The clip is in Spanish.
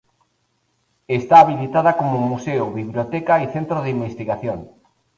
Está habilitada como museo, biblioteca y centro de investigación.